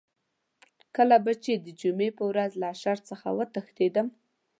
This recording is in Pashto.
کله به چې د جمعې په ورځ له اشر څخه وتښتېدم.